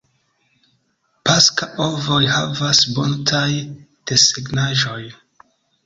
Paska ovoj havas buntaj desegnaĵoj.